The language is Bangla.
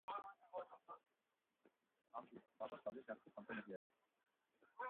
আব্বু, বাবা চলে যাচ্ছে কনটেইনার ইয়ার্ডে।